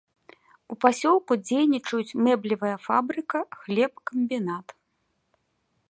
У пасёлку дзейнічаюць мэблевая фабрыка, хлебакамбінат.